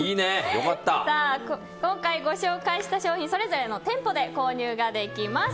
今回、ご紹介した商品はそれぞれの店舗で購入ができます。